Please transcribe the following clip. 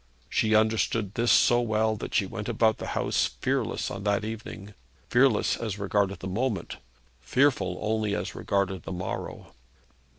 She understood this so well that she went about the house fearless on that evening fearless as regarded the moment, fearful only as regarded the morrow.